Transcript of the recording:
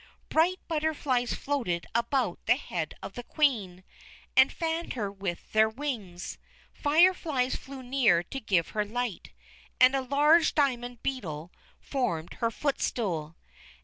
Bright butterflies floated about the head of the Queen, and fanned her with their wings. Fireflies flew near to give her light. And a large diamond beetle formed her footstool.